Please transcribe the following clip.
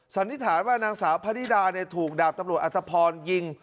สันนิษฐานว่านางสาวพระนิดาถูกดาบตำรวจอัตภพรยิง